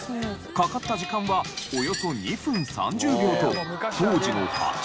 かかった時間はおよそ２分３０秒と当時の８分の１。